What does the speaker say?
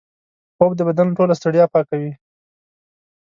خوب د بدن ټوله ستړیا پاکوي